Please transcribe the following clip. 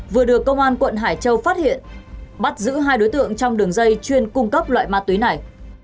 vừa được công an quận hải châu phát hiện bắt giữ hai đối tượng trong đường dây chuyên cung cấp loại ma túy này